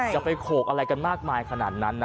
จะไปโขกอะไรกันมากมายขนาดนั้นนะ